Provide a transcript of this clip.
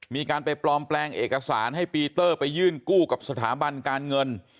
มีการไปปลอมแปลงเอกสารให้ปีเตอร์ไปยื่นกู้กับสถาบันการเงิน